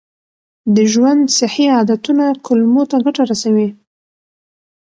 د ژوند صحي عادتونه کولمو ته ګټه رسوي.